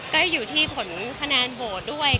ก็อยู่ทีผลนานโหดด้วย